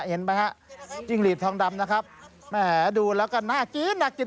เห็นไหมฮะจิ้งหลีดทองดำนะครับแหมดูแล้วก็น่ากินน่ากิน